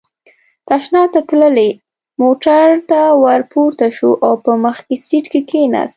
تشناب ته تللی، موټر ته ور پورته شو او په مخکې سېټ کې کېناست.